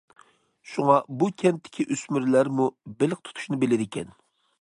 شۇڭا بۇ كەنتتىكى ئۆسمۈرلەرمۇ بېلىق تۇتۇشنى بىلىدىكەن.